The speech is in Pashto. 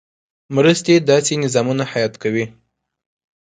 مرستې داسې نظامونه حیات کوي.